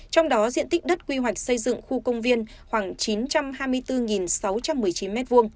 trong đó diện tích đất quy hoạch xây dựng khu công viên khoảng chín trăm hai mươi bốn sáu trăm một mươi chín m hai